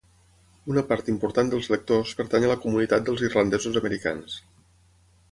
Una part important dels lectors pertany a la comunitat dels Irlandesos Americans.